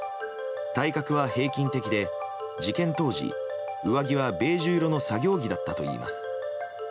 体格は平均的で事件当時、上着はベージュ色の作業着だったといいます。